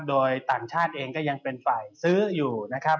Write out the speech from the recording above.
โดยต่างชาติเองก็ยังเป็นฝ่ายซื้ออยู่นะครับ